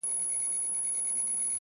هره تجربه د ځان پېژندنې وسیله ده